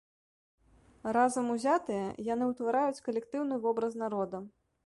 Разам узятыя, яны ўтвараюць калектыўны вобраз народа.